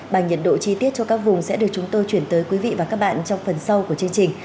bằng nhiệt độ chi tiết cho các vùng sẽ được chúng tôi chuyển tới quý vị và các bạn trong phần sau của chương trình